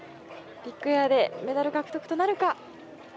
ビッグエアでメダル獲得となるか。